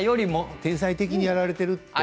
天才的にやられている。